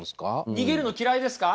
逃げるの嫌いですか？